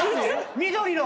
緑の。